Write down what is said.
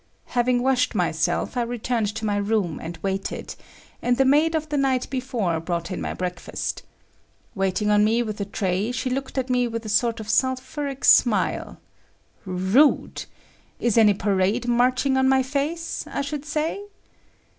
Having washed myself, I returned to my room and waited, and the maid of the night before brought in my breakfast. Waiting on me with a tray, she looked at me with a sort of sulphuric smile. Rude! Is any parade marching on my face? I should say.